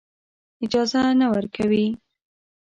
اجازه نه ورکوي.